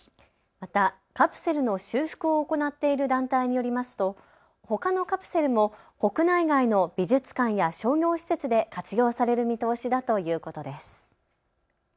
またカプセルの修復を行っている団体によりますと、ほかのカプセルも国内外の美術館や商業施設で活用される見通しだということです。